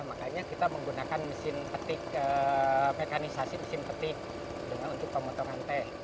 makanya kita menggunakan mesin petik mekanisasi mesin petik untuk pemotongan teh